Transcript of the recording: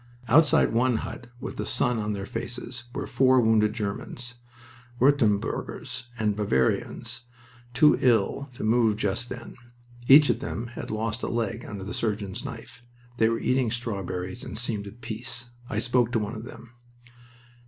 Outside one hut, with the sun on their faces, were four wounded Germans, Wurtemburgers and Bavarians, too ill to move just then. Each of them had lost a leg under the surgeon's knife. They were eating strawberries, and seemed at peace. I spoke to one of them.